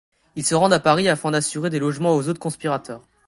Ils se rendent à Paris afin d'assurer des logements aux autres conspirateurs.